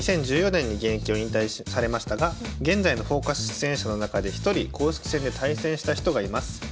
２０１４年に現役を引退されましたが現在の「フォーカス」出演者の中で１人公式戦で対戦した人がいます。